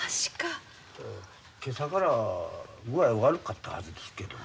今朝から具合悪かったはずですけど。